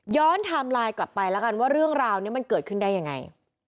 ไทม์ไลน์กลับไปแล้วกันว่าเรื่องราวนี้มันเกิดขึ้นได้ยังไง